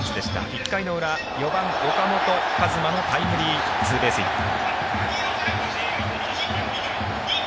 １回の裏、４番、岡本和真のタイムリーツーベースヒット。